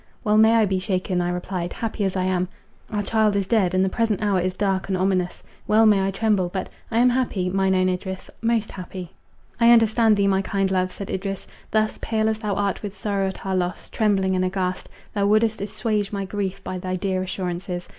"Well may I be shaken," I replied, "happy as I am. Our child is dead, and the present hour is dark and ominous. Well may I tremble! but, I am happy, mine own Idris, most happy." "I understand thee, my kind love," said Idris, "thus—pale as thou art with sorrow at our loss; trembling and aghast, though wouldest assuage my grief by thy dear assurances.